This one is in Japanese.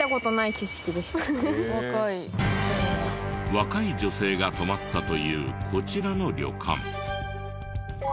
若い女性が泊まったというこちらの旅館。